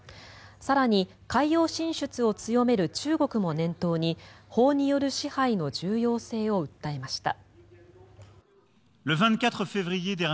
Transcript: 更に海洋進出を強める中国も念頭に法による支配の重要性を訴えました。